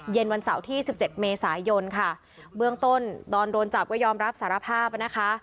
วันเสาร์ที่สิบเจ็ดเมษายนค่ะเบื้องต้นตอนโดนจับก็ยอมรับสารภาพนะคะ